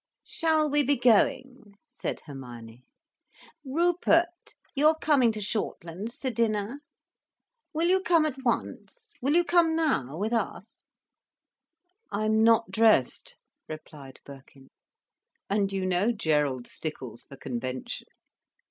"Shall we be going?" said Hermione. "Rupert, you are coming to Shortlands to dinner? Will you come at once, will you come now, with us?" "I'm not dressed," replied Birkin. "And you know Gerald stickles for convention."